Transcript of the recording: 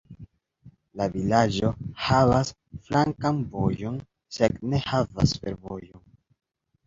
La vilaĝo havas flankan vojon sed ne havas fervojon.